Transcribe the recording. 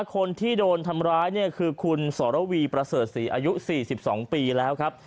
คนที่โดนทำร้ายเนี่ยคือคุณสวิประเสรจสีอายุสี่สิบสองปีแล้วครับ